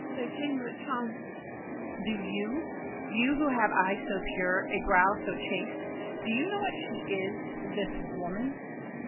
They came by chance. DIDIER. Do you— You who have eyes so pure, a brow so chaste— Do you know what she is—this woman?